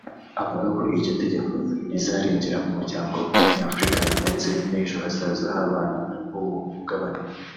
Avuga ko iryo tegeko rizarengera umuryango nyafurika ndetse n’ejo hazaza h’abana b’uwo mugabane